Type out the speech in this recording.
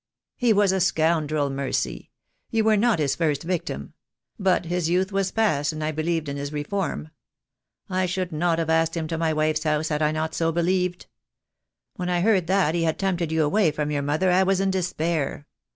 "He was a scoundrel, Mercy. You were not his first victim; but his youth was past, and I believed in his reform. I should not have asked him to my wife's house ; had I not so believed. When I heard that he had tempted you away from your mother I was in despair.